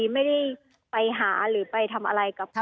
ไม่ได้ไปหาหรือไปทำอะไรกับใคร